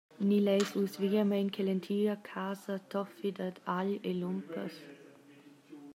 Ni leis vus veramein che l’entira casa toffi dad agl e lumpas?